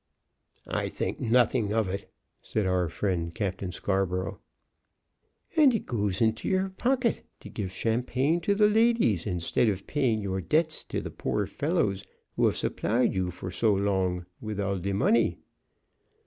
"I think nothing of it," said our friend Captain Scarborough. "And it goes into your pocket to give champagne to the ladies, instead of paying your debts to the poor fellows who have supplied you for so long with all de money."